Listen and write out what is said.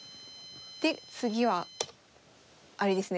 で次はあれですね